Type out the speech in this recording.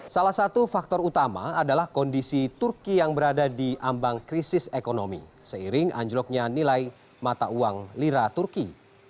salah satu faktor utama adalah kondisi turki yang berada di ambang krisis ekonomi seiring anjloknya nilai mata uang lira turki